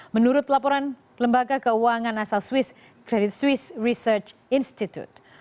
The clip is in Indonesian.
menurut laporan lembaga keuangan asal swiss credit swiss research institute